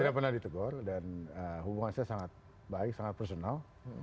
tidak pernah ditegur dan hubungan saya sangat baik sangat personal